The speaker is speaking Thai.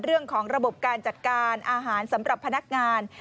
เรื่องของระบบการจัดการอาหารสำหรับพนักงาน